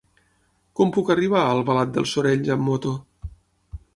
Com puc arribar a Albalat dels Sorells amb moto?